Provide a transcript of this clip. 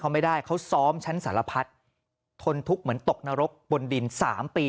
เขาไม่ได้เขาซ้อมชั้นสารพัดทนทุกข์เหมือนตกนรกบนดิน๓ปี